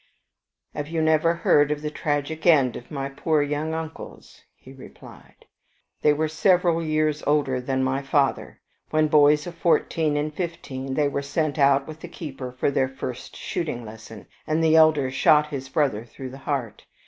"Have you never heard of the tragic end of my poor young uncles?" he replied. "They were several years older than my father. When boys of fourteen and fifteen they were sent out with the keeper for their first shooting lesson, and the elder shot his brother through the heart.